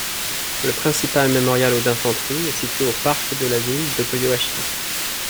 Le principale mémorial au d'infanterie est situé au parc de la ville de Toyohashi.